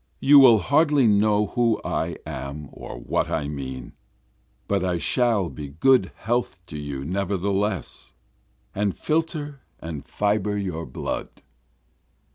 You will hardly know who I am or what I mean, But I shall be good health to you nevertheless, And filter and fibre your blood.